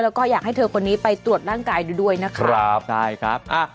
แล้วก็อยากให้เธอคนนี้ไปตรวจร่างกายด้วยนะครับครับได้ครับอ่ะ